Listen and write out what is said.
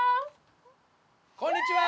こんにちは！